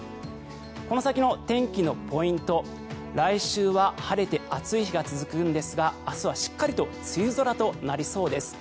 この先の天気のポイント来週は晴れて暑い日が続くんですが明日はしっかりと梅雨空となりそうです。